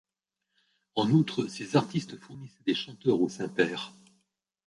En outre, ces artistes fournissaient des chanteurs au saint-père.